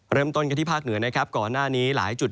เริ่มต้นกันที่ภาคเหนือนะครับก่อนหน้านี้หลายจุด